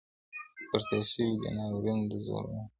پر تېر سوى دئ ناورين د زورورو؛